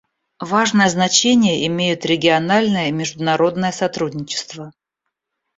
Важное значение имеют региональное и международное сотрудничество.